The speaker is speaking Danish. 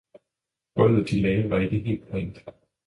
Gulvet de lagde var ikke helt plant.